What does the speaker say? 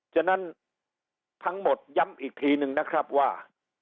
ฉะนั้นทั้งหมดย้ำอีกทีนึงนะครับว่า